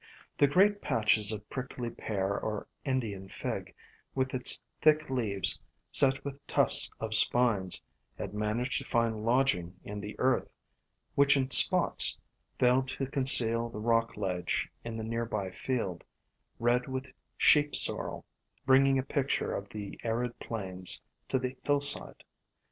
The great patches of Prickly Pear or Indian Fig, with its thick leaves set with tufts of spines, had managed to find lodging in the earth, which in spots failed to conceal the rock ledge in the near by field, red with Sheep Sorrel, bringing a picture of the arid plains to the hillside.